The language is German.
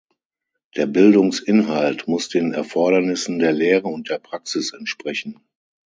Der Bildungsinhalt muss den Erfordernissen der Lehre und der Praxis entsprechen.